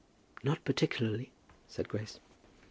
"Not particularly," said Grace.